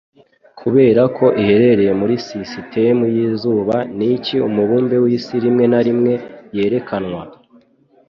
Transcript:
Kuberako Iherereye Muri Sisitemu Yizuba Niki Umubumbe Wisi Rimwe na rimwe Yerekanwa